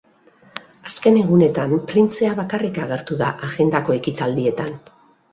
Azken egunetan, printzea bakarrik agertu da agendako ekitaldietan.